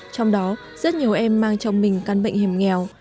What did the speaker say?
trong đó rất nhiều em mang trong mình căn bệnh hiểm nghèo